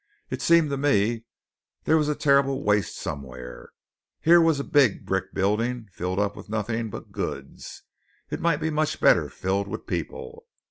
It seemed to me there was a terrible waste somewhere. Here was a big brick building filled up with nothing but goods. It might much better be filled with people.